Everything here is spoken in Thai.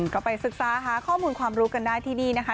ก็ไปศึกษาหาข้อมูลความรู้กันได้ที่นี่นะคะ